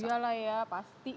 iya lah ya pasti